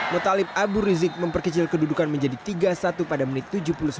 mutalib abu rizik memperkecil kedudukan menjadi tiga satu pada menit tujuh puluh satu